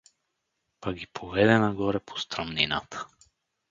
Па ги поведе нагоре по стръмнината.